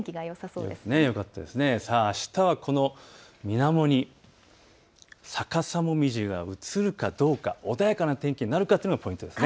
さあ、あしたはこのみなもに逆さ紅葉が移るかどうか、穏やかな天気になるかというのがポイントです。